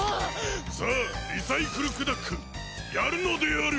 さあリサイクルクダックやるのである！